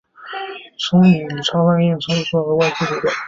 其曾与礼查饭店同为租界内历史最悠久的外资旅馆。